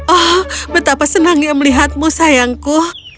oh betapa senangnya melihatmu sayangku